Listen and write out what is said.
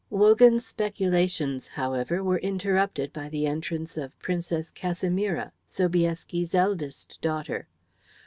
Wogan's speculations, however, were interrupted by the entrance of Princess Casimira, Sobieski's eldest daughter.